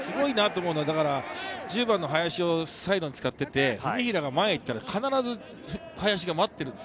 １０番の林をサイドに使って、文平が前に行ったら必ず林が待っているんです。